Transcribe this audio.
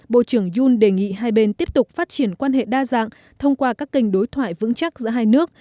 bộ trưởng youl đề nghị hai bên tiếp tục phát triển quan hệ đa dạng thông qua các kênh đối thoại vững chắc giữa hai nước